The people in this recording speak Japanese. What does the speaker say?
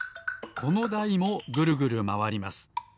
このだいもぐるぐるまわります。